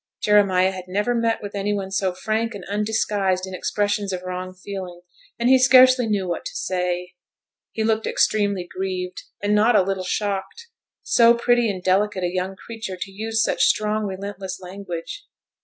Jeremiah had never met with any one so frank and undisguised in expressions of wrong feeling, and he scarcely knew what to say. He looked extremely grieved, and not a little shocked. So pretty and delicate a young creature to use such strong relentless language!